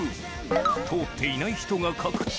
通っていない人が描くと